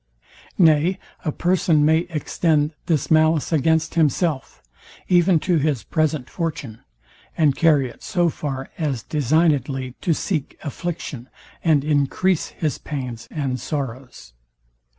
Nay a person may extend this malice against himself, even to his present fortune, and carry it so far as designedly to seek affliction, and encrease his pains and sorrows.